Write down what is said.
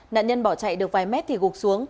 nạn nhân bỏ chạy được vài mét thì gục xuống